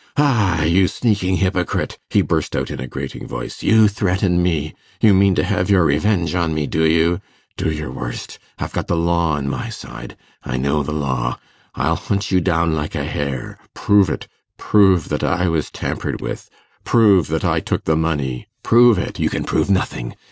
'Ha! you sneaking hypocrite!' he burst out in a grating voice, 'you threaten me ... you mean to have your revenge on me, do you? Do your worst! I've got the law on my side ... I know the law ... I'll hunt you down like a hare ... prove it ... prove that I was tampered with ... prove that I took the money ... prove it ... you can prove nothing